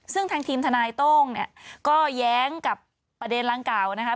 ซึ่งทางทีมทนายโต้งก็แย้งกับประเด็นลังกาวนะครับ